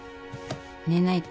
寝ないと。